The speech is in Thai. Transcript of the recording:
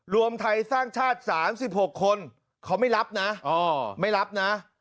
รวมไทยสร้างชาติ๓๖คนเขาไม่รับนะ